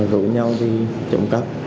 rủ nhau đi trộm cắp